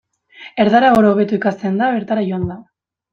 Erdara oro hobeto ikasten da bertara joanda.